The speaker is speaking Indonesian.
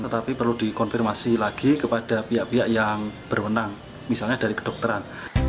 tetapi perlu dikonfirmasi lagi kepada pihak pihak yang berwenang misalnya dari kedokteran